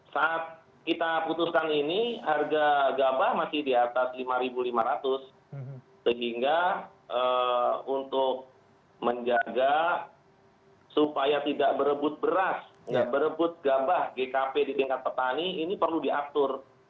saat kita putuskan ini harga gabah masih di atas rp lima lima ratus sehingga untuk menjaga supaya tidak berebut gabah gkp di tingkat petani ini perlu diatur